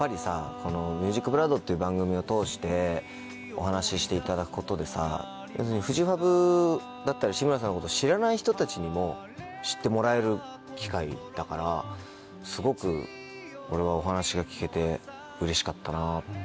この『ＭＵＳＩＣＢＬＯＯＤ』っていう番組を通してお話ししていただくことでさ要するにフジファブだったり志村さんのこと知らない人たちにも知ってもらえる機会だからすごく俺はお話が聞けてうれしかったなぁ。